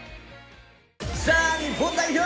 さあ日本代表。